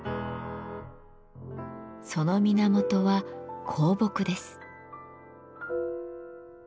その源は「香木」です。